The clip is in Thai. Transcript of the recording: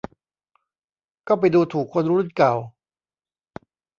ก็ไปดูถูกคนรุ่นเก่า